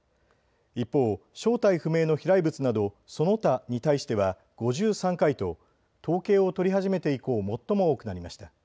一方、正体不明の飛来物などその他に対しては５３回と統計を取り始めて以降、最も多くなりました。